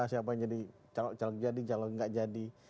siapa yang jadi calon jadi calon gak jadi